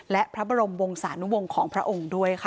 และพระบรมวงศานุวงศ์ของพระองค์ด้วยค่ะ